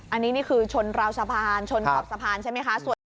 อันนี้นี่คือชนราวสะพานชนขอบสะพานใช่ไหมคะ